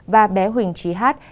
và bé huỳnh trí hát